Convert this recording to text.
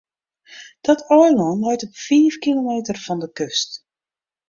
Dat eilân leit op fiif kilometer fan de kust.